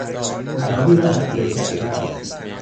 اتاقی را تخلیه کردن